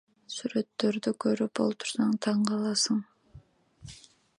Сүрөттөрдү көрүп олтурсаң таң каласың.